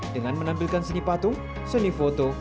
dengan menampilkan seni patung seni foto